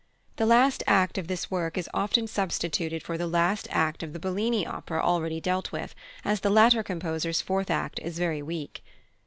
The last act of this work is often substituted for the last act of the Bellini opera already dealt with, as the latter composer's fourth act is very weak.